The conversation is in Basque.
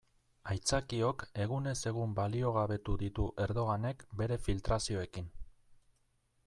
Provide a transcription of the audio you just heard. Aitzakiok egunez egun baliogabetu ditu Erdoganek bere filtrazioekin.